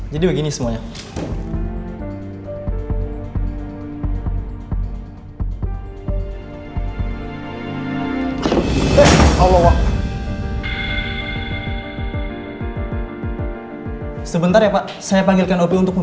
jadi begini semuanya